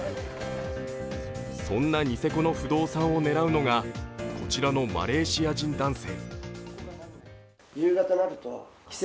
そんなニセコの不動産を狙うのがこちらのマレーシア人男性。